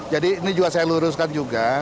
jadi ini juga saya luruskan juga